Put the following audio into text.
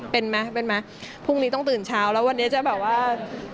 เป็นไหมเป็นไหมพรุ่งนี้ต้องตื่นเช้าแล้ววันนี้จะแบบว่า